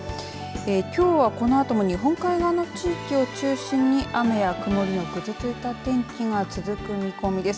きょうはこのあとも日本海側の地域を中心に雨や曇りのぐずついた天気が続く見込みです。